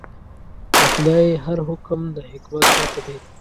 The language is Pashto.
د خدای هر حکم د حکمت ډک دی.